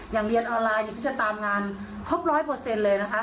เรียนออนไลน์อย่างพี่จะตามงานครบร้อยเปอร์เซ็นต์เลยนะคะ